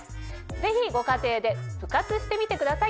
ぜひご家庭でプ活してみてください。